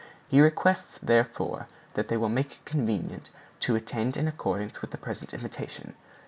He requests, therefore, that they will make it convenient to attend in accordance with the present invitation.